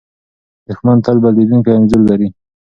دښمن تل بدلېدونکی انځور لري.